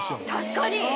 ・確かに！